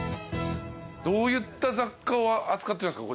どういった雑貨を扱ってるんですか？